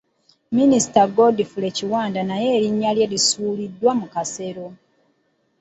Minisita Godfrey Kiwanda naye erinnya lye lisuuliddwa mu kasero.